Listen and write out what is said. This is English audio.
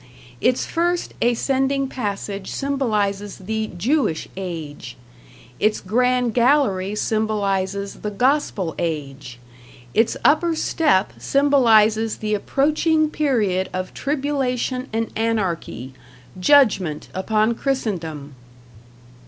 Its first ascending passage symbolizes the Jewish Age. Its Grand Gallery symbolizes the Gospel Age. Its upper step symbolizes the approaching period of tribulation and anarchy, "Judgment" upon Christendom.